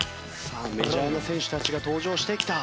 メジャーな選手たちが登場してきた。